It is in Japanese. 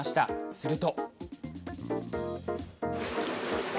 すると。